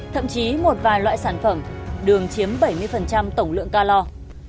thậm chí một vài loại sản phẩm đường chiếm bảy mươi tổng lượng calor